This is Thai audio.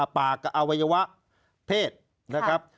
ปากกับอวัยวะเพศนะครับ